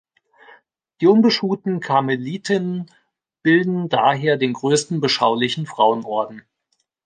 Die Unbeschuhten Karmelitinnen bilden daher den größten beschaulichen Frauenorden.